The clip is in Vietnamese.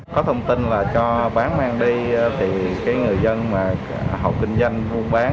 có thông tin là cho bán mang đi thì người dân mà học kinh doanh uống bán